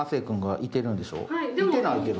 いてないけど。